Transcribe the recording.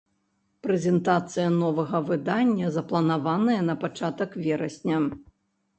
Прэзентацыя новага выдання запланаваная на пачатак верасня!